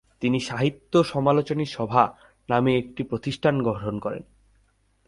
তিনি ‘সাহিত্য-সমালোচনী সভা’ নামে একটি প্রতিষ্ঠান গঠন করেন।